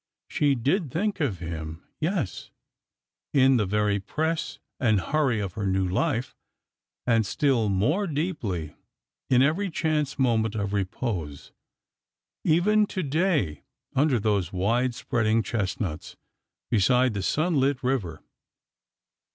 She did think of him ; yes, in the very press and hurry of her new life, and still more deeply in every chance moment of repose — even to day under those wide spreading chestnuts, beside that sunlit river.